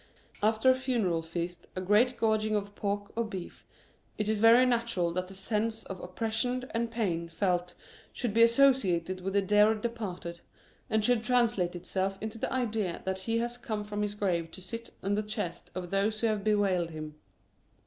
After a funeral feast, a great gorging of pork or beef, it is very natural that the sense of oppression and 4 The Meaning of Mourning pain felt should be associated with the dear departed, and should translate itself into the idea that he has come from his grave to sit on the chests of those who have bewailed him.